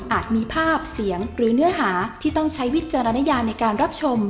มีภาพเสียงหรือเนื้อหาที่ต้องใช้วิจารณญาในการรับชม